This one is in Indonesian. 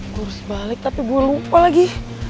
gue harus balik tapi gue lupa lagi